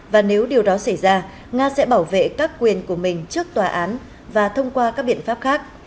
và nếu điều đó xảy ra nga sẽ bảo vệ các quyền của mình trước tòa án và thông qua các biện pháp khác